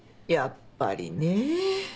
やっぱりね。